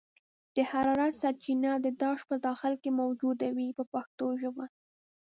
د حرارت سرچینه د داش په داخل کې موجوده وي په پښتو ژبه.